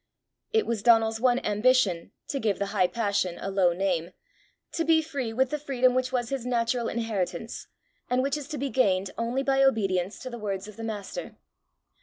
It was Donal's one ambition to give the high passion a low name to be free with the freedom which was his natural inheritance, and which is to be gained only by obedience to the words of the Master.